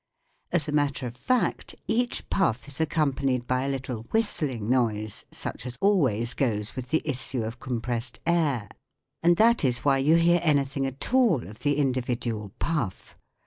As a matter of fact, each puff is accompanied by a little whistling noise, such as always goes with the issue of compressed air, and that is why you hear anything at all of the individ ual puff.